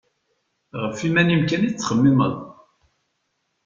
Γef yiman-im kan i tettxemmimeḍ.